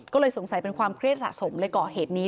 ก็เลยสงสัยเป็นความเครียดสะสมเลยก่อเหตุนี้